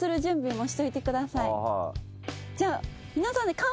じゃあ。